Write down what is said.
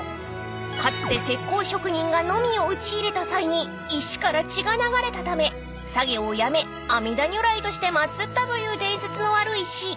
［かつて石こう職人がのみを打ち入れた際に石から血が流れたため作業をやめ阿弥陀如来として祭ったという伝説のある石］